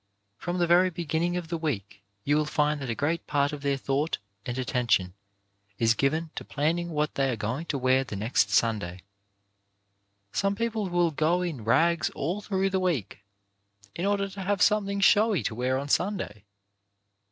From the very beginning of the week you will find that a great part of their thought and attention is given to planning what they are going to wear the next Sunday. Some people will go in rags all through the week, in order to have some thing showy to wear on Sunday.